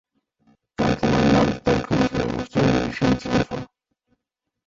Canta muy mal Tal como se demostró en ¡Misión Triunfo!